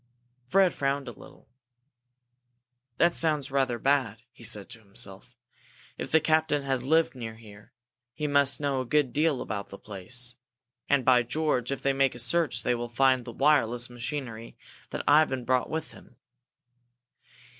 Fred frowned a little. "That sounds rather bad," he said to himself. "If this captain has lived near here, he must know a good deal about the place. And, by George, if they make a search they will find the wireless machinery that Ivan brought in with him!